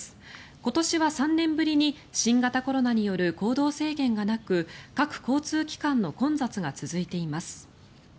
今年は３年ぶりに新型コロナによる行動制限がなく各交通機関の混雑が続いています。